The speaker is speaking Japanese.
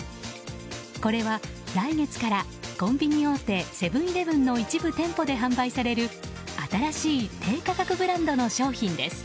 これは来月からコンビニ大手セブン‐イレブンの一部店舗で販売される新しい低価格ブランドの商品です。